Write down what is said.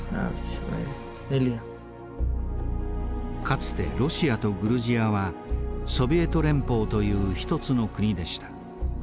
かつてロシアとグルジアはソビエト連邦という一つの国でした。